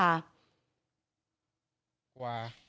กลัว